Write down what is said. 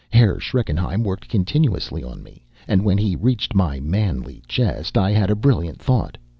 Herr Schreckenheim worked continuously on me, and when he reached my manly chest I had a brilliant thought.